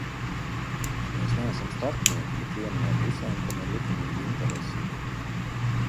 Mēs neesam starpnieki, bet viena no pusēm, kam ir likumīga interese.